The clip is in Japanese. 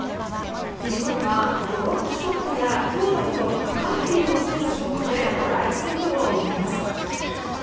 錦織はドロップショットや強打など緩急をつけたショットで第１セットを奪います。